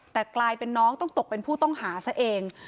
แต่กลายเป็นน้องต้องตกเป็นผู้ต้องหาซะเอง